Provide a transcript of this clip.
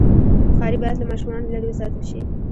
بخاري باید له ماشومانو لرې وساتل شي.